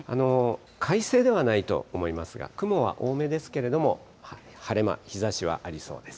快晴ではないと思いますが、雲は多めですけれども、晴れ間、日ざしはありそうです。